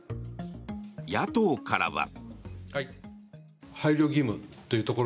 野党からは。